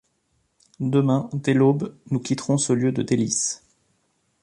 Demain, dès l’aube, nous quitterons ce lieu de délices!